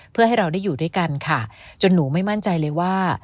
เพื่อให้เราได้อยู่ด้วยกันค่ะจนหนูไม่มั่นใจเลยว่า